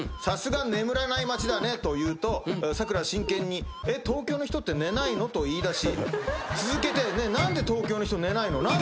「『さすが眠らない街だね』と言うとさくらは真剣に『えっ？東京の人って寝ないの？』と言いだし続けて『ねえ何で東京の人寝ないの？』